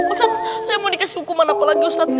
ustad saya mau dikasih hukuman apalagi ustad